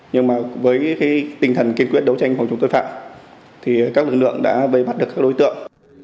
nhưng với tinh thần kiên quyết đấu tranh của chúng tôi phạm các lực lượng đã bây bắt được các đối tượng